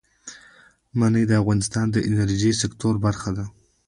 منی د افغانستان د انرژۍ سکتور برخه ده.